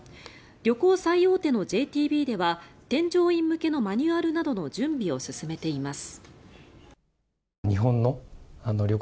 旅行最大手のＪＴＢでは添乗員向けのマニュアルなどの準備を進めています。